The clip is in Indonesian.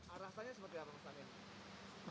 arahannya seperti apa